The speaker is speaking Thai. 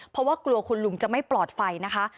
เพราะว่ากลัวคุณลุงจะไม่ปลอดภัยนะคะ